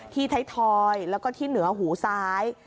ที่ไทยทอยแล้วก็ที่เหนือหูซ้าย